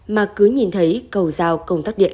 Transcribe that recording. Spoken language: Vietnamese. mà cứ nhìn thấy cầu giao công tác điện